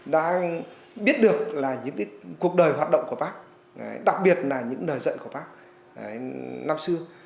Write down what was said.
đã biết được là những cuộc đời hoạt động của bác đặc biệt là những lời dạy của bác năm xưa